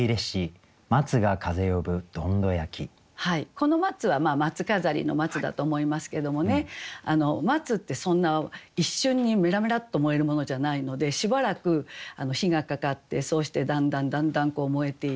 この「松」は松飾りの松だと思いますけどもね松ってそんな一瞬にメラメラッと燃えるものじゃないのでしばらく火がかかってそうしてだんだんだんだん燃えていく。